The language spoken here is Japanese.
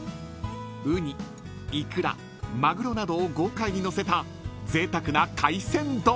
［ウニイクラマグロなどを豪快にのせたぜいたくな海鮮丼］